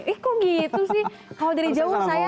eh kok gitu sih kalau dari jauh saya harus pakai jeb